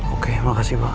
oke makasih pak